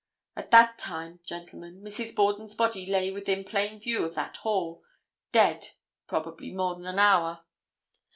At that time, gentlemen, Mrs. Borden's body lay within plain view of that hall, dead, probably, more than an hour.